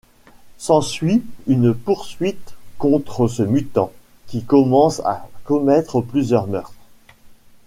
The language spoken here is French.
S'ensuit une poursuite contre ce mutant, qui commence à commettre plusieurs meurtres.